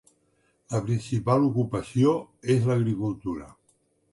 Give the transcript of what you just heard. La principal ocupació és l'agricultura.